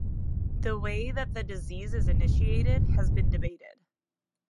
The way that the disease is initiated has been debated.